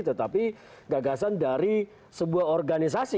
tetapi gagasan dari sebuah organisasi